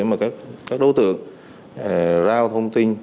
để các đối tượng ra thông tin